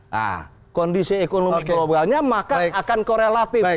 nah kondisi ekonomi globalnya maka akan korelatif